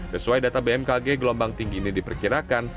sesuai data bmkg gelombang tinggi ini diperkirakan